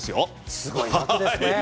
すごいですね。